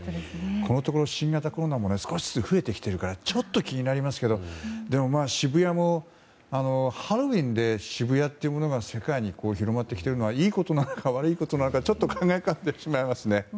このところ新型コロナも少しずつ増えてきているからちょっと気になりますが渋谷もハロウィーンで渋谷というのが世界に広まってきているのがいいことなのか悪いことなのかちょっと考えてしまいますね。